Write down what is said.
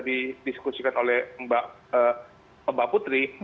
didiskusikan oleh mbak putri